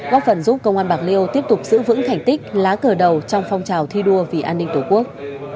góp phần giúp công an bạc liêu tiếp tục giữ vững thành tích lá cờ đầu trong phong trào thi đua vì an ninh tổ quốc